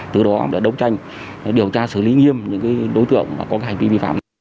từ đó để đấu tranh điều tra xử lý nghiêm những đối tượng có hành vi vi phạm